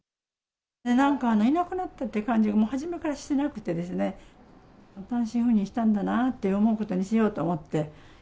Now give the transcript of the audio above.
なんかいなくなったって感じが、もう初めからしてなくてですね、単身赴任したんだなって思うことにしようと思って。